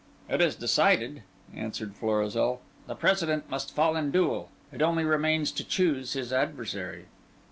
"It is decided," answered Florizel; "the President must fall in duel. It only remains to choose his adversary."